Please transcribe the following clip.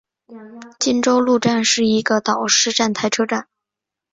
金周路站是一个岛式站台车站。